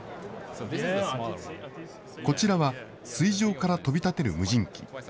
こちらは水上から飛び立てる無人機。